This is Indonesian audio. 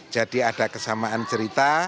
jadi ada kesamaan cerita